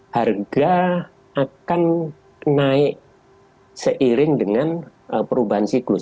harga akan naik seiring dengan perubahan siklus